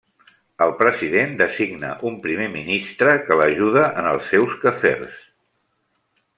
El president designa un primer ministre que l'ajuda en els seus quefers.